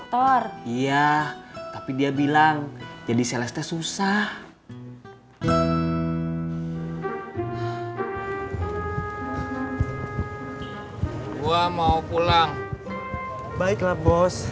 tiap jumat eksklusif di gtv